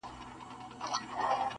تا منلی راته جام وي د سرو لبو,